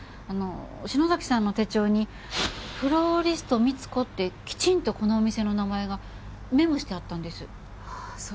篠崎さんの手帳に「フローリストＭＩＴＳＵＫＯ」ってきちんとこのお店の名前がメモしてあったんです。